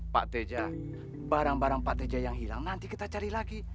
pak teja barang barang pak teja yang hilang nanti kita cari lagi